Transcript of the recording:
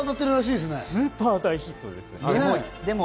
スーパー大ヒットです。